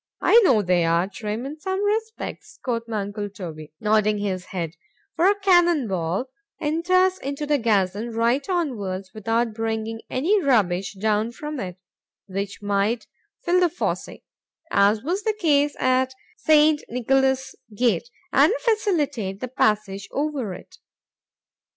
——I know they are, Trim in some respects,——quoth my uncle Toby, nodding his head;—for a cannon ball enters into the gazon right onwards, without bringing any rubbish down with it, which might fill the fossé, (as was the case at St. Nicolas's gate) and facilitate the passage over it.